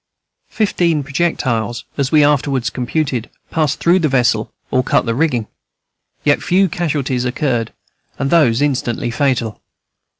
Fifteen projectiles, as we afterwards computed, passed through the vessel or cut the rigging. Yet few casualties occurred, and those instantly fatal.